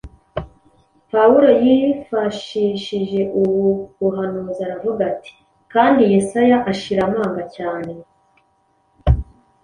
Pawulo yifashishije ubu buhanuzi aravuga ati: “Kandi Yesaya ashira amanga cyane,